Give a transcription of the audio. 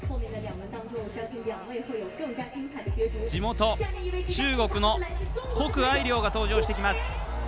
地元・中国の谷愛凌が登場してきます。